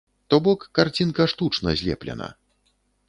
То бок карцінка штучна злеплена.